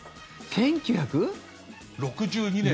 １９６２年？